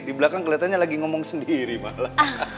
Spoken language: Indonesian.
di belakang kelihatannya lagi ngomong sendiri malah